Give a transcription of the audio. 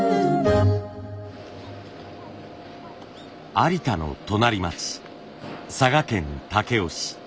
有田の隣町佐賀県武雄市。